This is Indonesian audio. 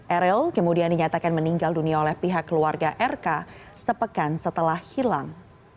eril kemudian dinyatakan meninggal dunia oleh pihak keluarga rk sepekan setelah hilang